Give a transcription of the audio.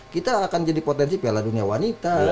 kita akan jadi potensi piala dunia wanita